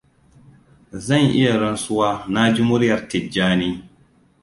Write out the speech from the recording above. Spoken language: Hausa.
Zan iya rantsuwa na ji muryar Tijjani.